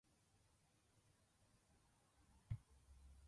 私は鳥のように飛びたい。